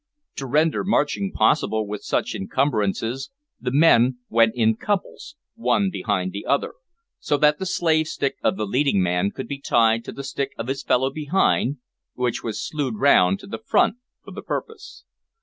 To render marching possible with such encumbrances, the men went in couples, one behind the other, so that the slave stick of the leading man could be tied to the stick of his fellow behind, which was slewed round to the front for the purpose.